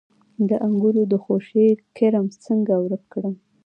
د انګورو د خوشې کرم څنګه ورک کړم؟